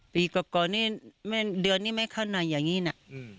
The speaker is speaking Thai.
ปีกว่าก่อนนี้เดือนนี้ไม่เข้าหน่อยอย่างนี้น่ะ